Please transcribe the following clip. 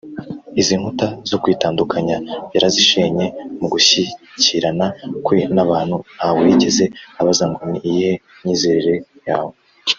. Izi nkuta zo kwitandukanya Yarazishenye. Mu gushyikirana kwe n’abantu ntawe yigeze abaza ngo, Ni iyihe myizerere yawe